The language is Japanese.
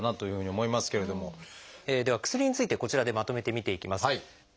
では薬についてこちらでまとめて見ていきます。